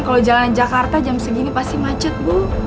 kalau jalanan jakarta jam segini pasti macet bu